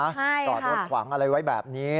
ใช่ค่ะจอดรถขวางอะไรไว้แบบนี้